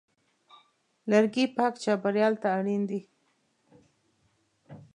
لرګی پاک چاپېریال ته اړین دی.